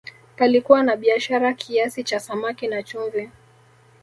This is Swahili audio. palikuwa na biashara kiasi cha samaki na chumvi